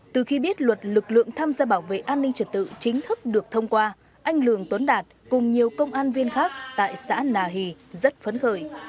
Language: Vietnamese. từ khi biết luật lực lượng tham gia bảo vệ an ninh trật tự chính thức được thông qua anh lường tuấn đạt cùng nhiều công an viên khác tại xã nà hì rất phấn khởi